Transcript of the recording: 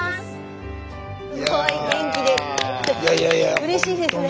うれしいですね。